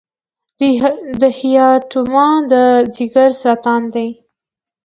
د هیپاټوما د ځګر سرطان دی.